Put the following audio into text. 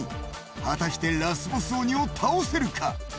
果たしてラスボス鬼を倒せるか。